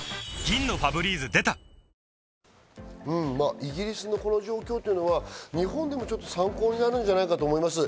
イギリスのこの状況というのは日本でも参考になるんじゃないかと思います。